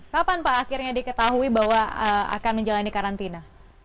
kapan pak akhirnya diketahui bahwa akan menjalani karantina